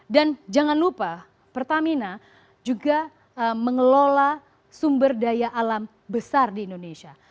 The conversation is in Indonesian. dan jangan lupa pertamina juga mengelola sumber daya alam besar di indonesia